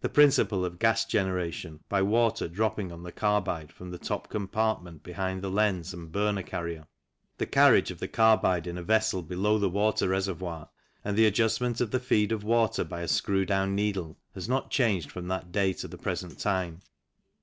The principle of gas generation, by water dropping on the carbide from the top compartment behind the lens and burner carrier ; the carriage of .the carbide in a vessel below the water reservoir ; and the adjustment of the feed of water by a screw down needle has not changed from that day to the present time.